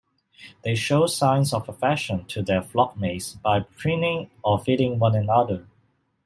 They show signs of affection to their flockmates by preening or feeding one another.